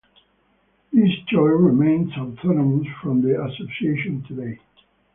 This choir remains autonomous from the association today.